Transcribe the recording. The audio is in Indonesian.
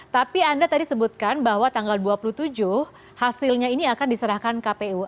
tapi anda tadi sebutkan bahwa tanggal dua puluh tujuh hasilnya ini akan diserahkan kpu